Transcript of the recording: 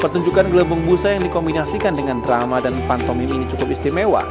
pertunjukan gelebung busa yang dikombinasikan dengan drama dan pantomim ini cukup istimewa